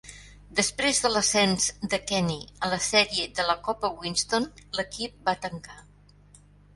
Després de l'ascens de Kenny a la sèrie de la Copa Winston, l'equip va tancar.